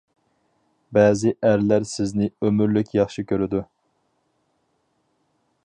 بەزى ئەرلەر سىزنى ئۆمۈرلۈك ياخشى كۆرىدۇ.